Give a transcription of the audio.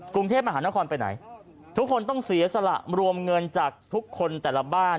กรุงเทพมหานครไปไหนทุกคนต้องเสียสละรวมเงินจากทุกคนแต่ละบ้าน